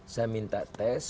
saya minta tes